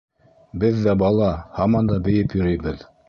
Беҙ ҙә бала, һаман бейеп йөрөйбөҙ.